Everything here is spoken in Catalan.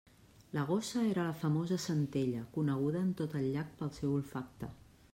La gossa era la famosa Centella, coneguda en tot el llac pel seu olfacte.